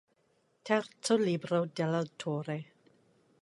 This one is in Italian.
Terzo libro dell'autore.